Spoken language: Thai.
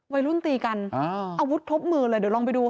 วัยรุ่นตีกันอาวุธครบมือเลยเดี๋ยวลองไปดูค่ะ